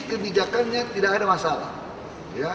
ketentuan ini dimaksudkan untuk menyadarkan atau mengurangi kebebasan